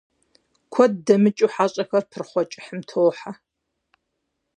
Куэд дэмыкӀыу хьэщӏэхэр пырхъуэ кӀыхьым тохьэ.